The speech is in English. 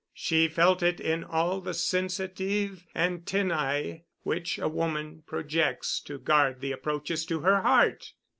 She felt it in all the sensitive antennæ which a woman projects to guard the approaches to her heart.